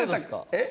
えっ？